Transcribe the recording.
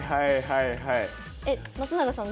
松永さん